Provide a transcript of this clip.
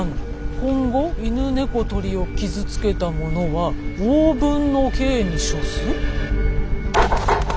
今後犬猫鶏を傷つけたものは応分の刑に処す？